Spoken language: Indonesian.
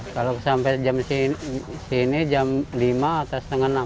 kalau sampai jam sini jam lima atau setengah enam